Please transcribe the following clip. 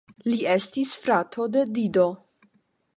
Li estis frato de Dido.